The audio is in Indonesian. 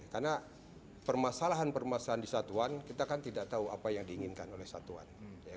karena permasalahan permasalahan di satuan kita kan tidak tahu apa yang diinginkan oleh satuan